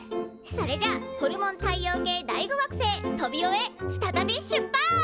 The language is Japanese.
それじゃあホルモン太陽系第５惑星トビオへ再び出発！